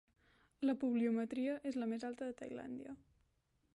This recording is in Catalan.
La pluviometria és la més alta de Tailàndia.